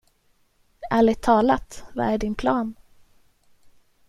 Ärligt talat, vad är din plan?